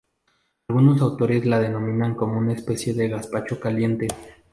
Algunos autores la denominan como una especie de gazpacho caliente.